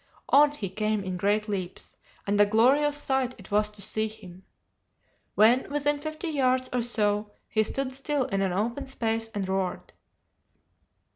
On he came in great leaps, and a glorious sight it was to see him. When within fifty yards or so, he stood still in an open space and roared.